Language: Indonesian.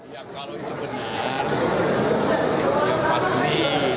ya kalau itu benar yang pasti